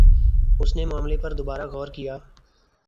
اس نے معاملے پر دوبارہ غور کِیا